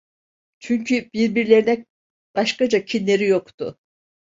Çünkü birbirlerine başkaca kinleri yoktu.